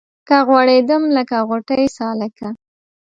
که غوړېدم لکه غوټۍ سالکه